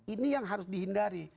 ini yang harus dihindari